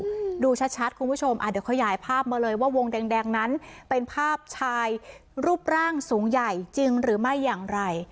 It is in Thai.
อืมดูชัดชัดคุณผู้ชมอ่าเดี๋ยวขยายภาพมาเลยว่าวงแดงแดงนั้นเป็นภาพชายรูปร่างสูงใหญ่จริงหรือไม่อย่างไร